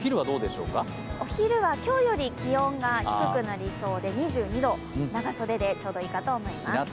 お昼は今日より気温が低くなりそうで、２２度、長袖でちょうどいいかと思います。